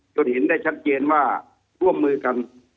จนเห็นได้ชัดเจนว่าร่วมมือกัน